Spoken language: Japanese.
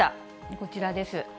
こちらです。